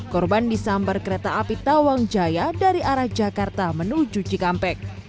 korban disambar kereta api tawang jaya dari arah jakarta menuju cikampek